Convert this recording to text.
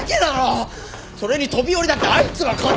それに飛び降りだってあいつが勝手に。